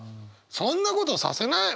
そんなことさせない。